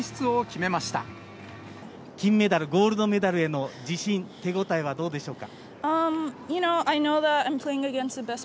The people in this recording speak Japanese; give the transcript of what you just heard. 金メダル、ゴールドメダルへの自信、手応えはどうでしょうか？